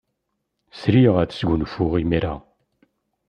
Sriɣ ad sgunfuɣ imir-a.